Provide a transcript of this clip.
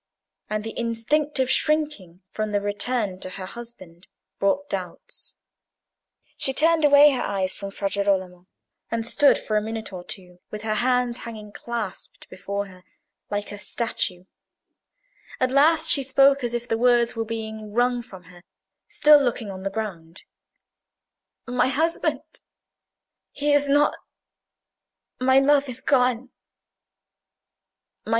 And the instinctive shrinking from a return to her husband brought doubts. She turned away her eyes from Fra Girolamo, and stood for a minute or two with her hands hanging clasped before her, like a statue. At last she spoke, as if the words were being wrung from her, still looking on the ground. "My husband... he is not... my love is gone!"